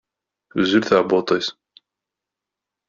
Tuzzel tɛebbuḍt-is.